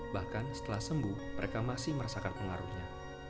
bahkan setelah sembuh mereka masih merasakan pengaruhnya